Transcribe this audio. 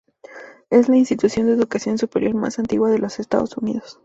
Es la institución de educación superior más antigua de los Estados Unidos.